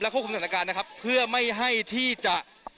ควบคุมสถานการณ์นะครับเพื่อไม่ให้ที่จะ